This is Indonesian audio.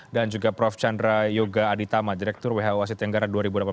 dan juga prof chandra yoga aditama direktur who asit tenggara dua ribu delapan belas dua ribu dua puluh